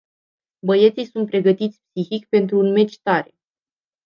Băieții sunt pregătiți psihic pentru un meci tare.